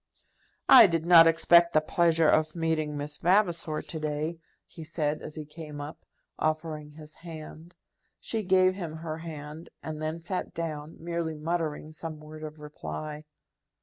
"I did not expect the pleasure of meeting Miss Vavasor to day," he said, as he came up, offering his hand. She gave him her hand, and then sat down, merely muttering some word of reply.